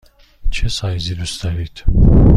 چه سایزی دوست دارید؟